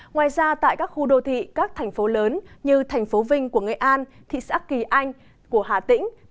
ngoài ra tại các khu đô thị các thành phố lớn như thành phố vinh của nghệ an thị xã kỳ anh của hà tĩnh